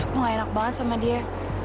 aku gak enak banget sama dia